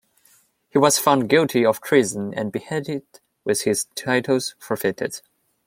He was found guilty of treason and beheaded with his titles forfeited.